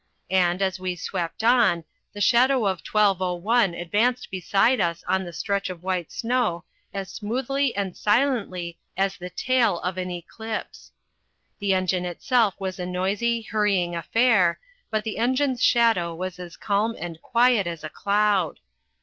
And, as we swept on, the shadow of 1201 advanced beside us on the stretch of white snow as smoothly and silently as the tail of an eclipse. The engine itself was a noisy, hurrying affair, but the engine's shadow was as calm and quiet as a cloud.